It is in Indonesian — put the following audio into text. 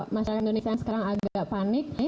masyarakat indonesia yang sekarang agak panik